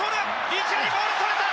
一塁ボールそれた！